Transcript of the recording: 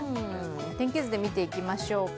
天気図で見ていきましょうか。